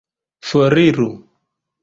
foriru